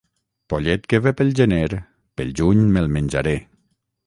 Pollet que ve pel gener, pel juny me'l menjaré.